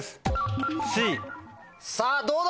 さぁどうだ？